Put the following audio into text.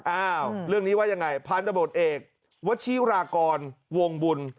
อ้าวเรื่องนี้ว่ายังไงพันธบทเอกวชิรากรวงบุญ